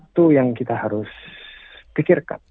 ini satu yang kita harus pikirkan